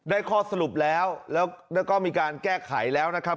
ข้อสรุปแล้วแล้วก็มีการแก้ไขแล้วนะครับ